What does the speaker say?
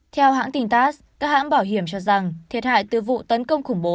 theo hãng tintas các hãng bảo hiểm cho rằng thiệt hại từ vụ tấn công khủng bố